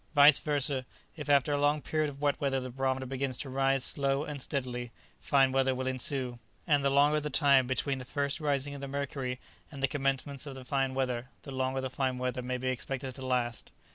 Vice versâ, if after a long period of wet weather the barometer begins to rise slowly and steadily, fine weather will ensue; and the longer the time between the first rising of the mercury and the commencement of the fine weather, the longer the fine weather may be expected to last.